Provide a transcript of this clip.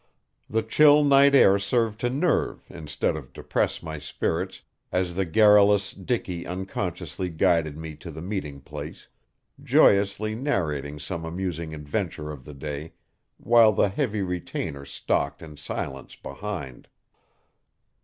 The chill night air served to nerve instead of depress my spirits, as the garrulous Dicky unconsciously guided me to the meeting place, joyously narrating some amusing adventure of the day, while the heavy retainer stalked in silence behind.